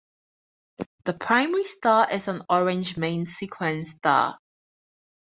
The primary star is an orange main sequence star.